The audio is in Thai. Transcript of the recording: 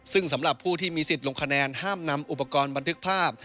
ซึ่งสำหรับผู้ที่มีสิทธิ์ลงคะแนนห้ามนำอุปกรณ์บันทึกภาพ